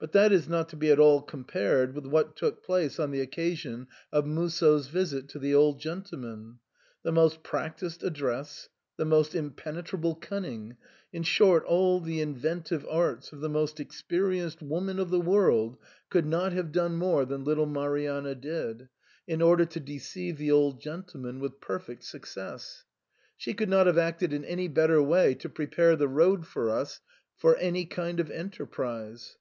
But that is not to be at all compared with what took place on the occasion of Musso's visit to the old gentleman. The most practised address, the most impenetrable cunning, — in short, all the inventive arts of the most experienced woman of the world could not have done SIGNOR FORMICA. 143 more than little Marianna did, in order to deceive the old gentleman with perfect success. She could not have acted in any better way to prepare the road for us for any kind of enterprise.